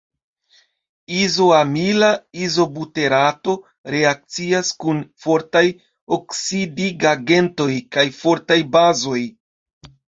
Izoamila izobuterato reakcias kun fortaj oksidigagentoj kaj fortaj bazoj.